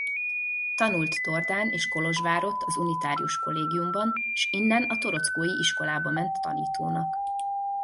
Tanult Tordán és Kolozsvárott az unitárius kollégiumban s innen a torockói iskolába ment tanítónak.